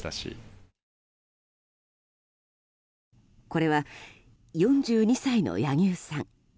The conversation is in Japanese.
これは４２歳の柳生さん。